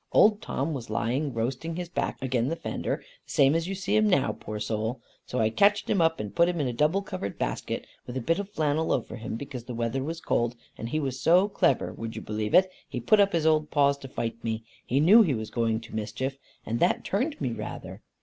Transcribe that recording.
Old Tom was lying roasting his back again the fender, the same as you see him now, poor soul; so I catched him up and put him in a double covered basket, with a bit of flannel over him, because the weather was cold; and he was so clever, would you believe it, he put up his old paws to fight me, he knew he was going to mischief, and that turned me rather.